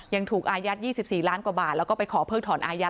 ยังถูกอายัด๒๔ล้านกว่าบาทแล้วก็ไปขอเพิ่งถอนอายัด